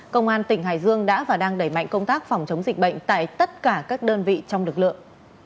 công an tỉnh hải dương đã và đang đẩy mạnh công tác phòng chống dịch bệnh tại tất cả các đơn vị trong lực lượng